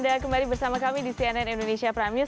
anda kembali bersama kami di cnn indonesia prime news